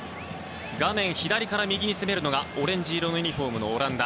画面左から右に攻めるのがオレンジ色のユニホームオランダ。